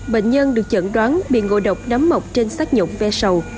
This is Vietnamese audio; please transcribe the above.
bệnh nhân được chẩn đoán bị ngộ độc nắm mộc trên sát nhộn ve sầu